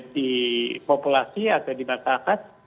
di populasi atau di masyarakat